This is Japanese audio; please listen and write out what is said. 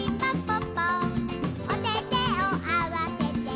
ぽっぽおててをあわせて」